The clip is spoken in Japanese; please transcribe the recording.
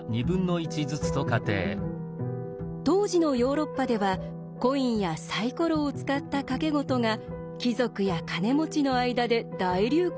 当時のヨーロッパではコインやサイコロを使った賭け事が貴族や金持ちの間で大流行していました。